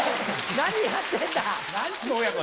何やってんだ。